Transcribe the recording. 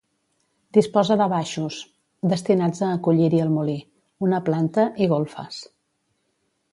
Disposa de baixos, destinats a acollir-hi el molí, una planta i golfes.